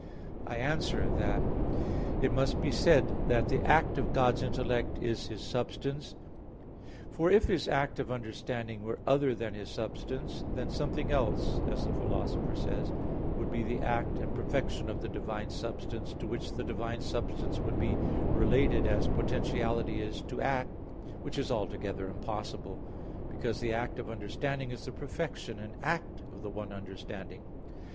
I answer that, It must be said that the act of God's intellect is His substance. For if His act of understanding were other than His substance, then something else, as the Philosopher says (Metaph. xii), would be the act and perfection of the divine substance, to which the divine substance would be related, as potentiality is to act, which is altogether impossible; because the act of understanding is the perfection and act of the one understanding.